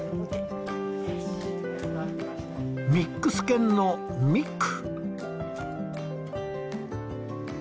ミックス犬のミック。